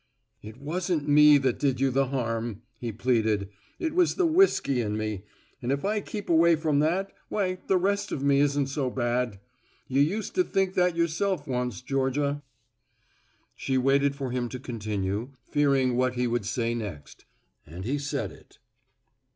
"It wasn't me that did you the harm," he pleaded, "it was the whiskey in me, and if I keep away from that why the rest of me isn't so bad. You used to think that yourself once, Georgia." She waited for him to continue, fearing what he would say next, and he said it.